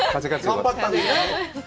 頑張ったんですね。